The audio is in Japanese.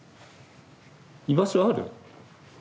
居場所ある？